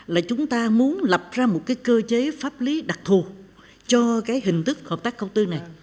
là chúng ta muốn lập ra một cái cơ chế pháp lý đặc thù cho cái hình thức hợp tác công tư này